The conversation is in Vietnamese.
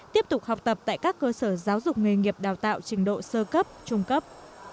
tiếp tục học tập tại các cơ sở giáo dục nghề nghiệp đào tạo trình độ sơ cấp trung cấp